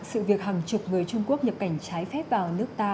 sự việc hàng chục người trung quốc nhập cảnh trái phép vào nước ta